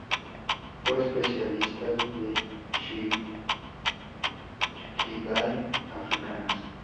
Fue especialista de Cichlidae africanas.